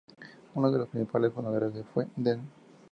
Uno de sus principales fundadores fue Dn.